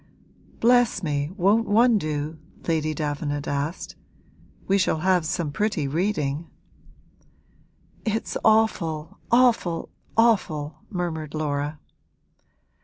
'Bless me, won't one do?' Lady Davenant asked. 'We shall have some pretty reading.' 'It's awful, awful, awful!' murmured Laura.